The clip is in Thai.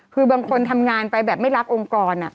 คือบางคนทำงานไปแบบไม่รักองค์กร